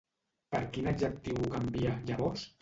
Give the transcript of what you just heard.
Per quin adjectiu ho canvia, llavors?